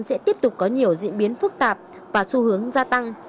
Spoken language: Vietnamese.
sẽ tiếp tục có nhiều diễn biến phức tạp và xu hướng gia tăng